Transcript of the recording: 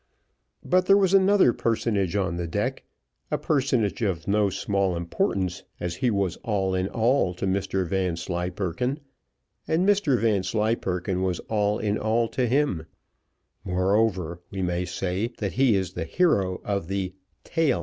But there was another personage on the deck, a personage of no small importance, as he was all in all to Mr Vanslyperken, and Mr Vanslyperken was all in all to him; moreover, we may say, that he is the hero of the TAIL.